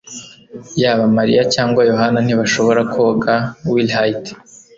Yaba Mariya cyangwa Yohana ntibashobora koga willhite